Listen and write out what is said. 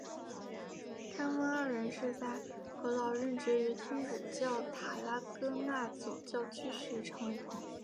他们二人是在格劳任职于天主教塔拉戈纳总教区时成为朋友。